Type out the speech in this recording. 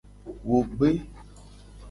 Wo gbe.